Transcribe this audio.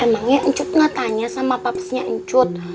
emangnya ncut gak tanya sama papasnya ncut